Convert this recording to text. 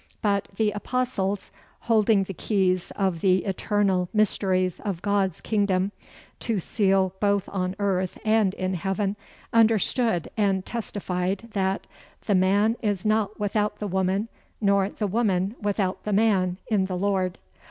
But, the Apostles, holding the keys of the eternal mysteries of God's kingdom, to seal both on earth and in heaven, understood and testified, that, "The man is not without the woman, nor the woman without the man in the Lord."